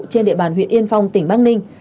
trên địa bàn huyện yên phong tỉnh bắc ninh